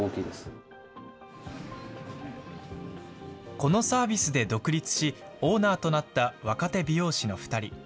このサービスで独立し、オーナーとなった若手美容師の２人。